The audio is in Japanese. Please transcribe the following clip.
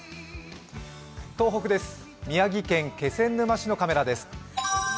東北です、宮城県気仙沼市のカメラです。